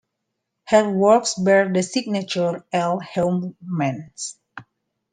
Her works bear the signature L. Heuvelmans.